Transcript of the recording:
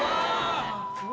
うわ！